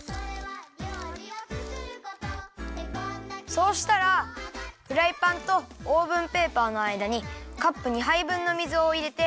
そうしたらフライパンとオーブンペーパーのあいだにカップ２はいぶんの水をいれて。